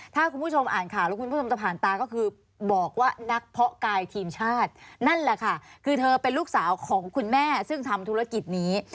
ถ้าคุณผู้ชมอ่านข่าวแล้วคุณผู้ชมจะผ่านตาก็คือบอกว่านักเพาะกายทีมชาตินั่นแหละค่ะคือเธอเป็นลูกสาวของคุณแม่ซึ่งทำธุรกิจนี้